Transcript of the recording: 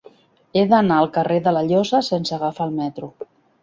He d'anar al carrer de la Llosa sense agafar el metro.